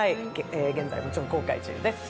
現在もちろん公開中です。